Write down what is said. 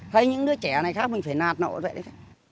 thấy những đứa trẻ này khác mình phải nạt nổ vậy đấy